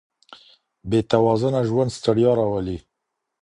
بې توازنه ژوند ستړیا راولي.